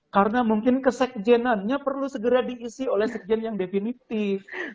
karena mungkin kesekjenannya perlu segera diisi oleh sekjen yang definitif